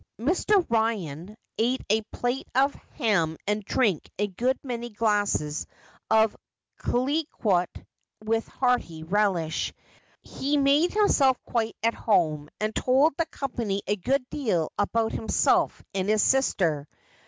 Mr. Ryan ate a plate of ham and drank a good many glasses of Clicquot with hearty relish. He made himself quite at home,, and told the company a good deal about himself and his sister.